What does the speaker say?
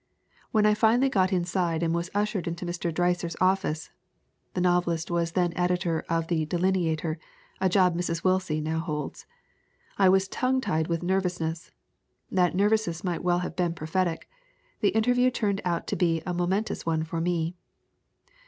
When I finally got inside and was ushered into Mr. Dreiser's office [the novelist was then editor of the Delineator, a job Mrs. Willsie now holds] I was tongue tied with nervousness. That nervousness might well have been prophetic. The interview turned out to be a momentous one for me.